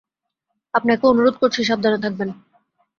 আপনাকে অনুরোধ করছি, সাবধানে থাকবেন।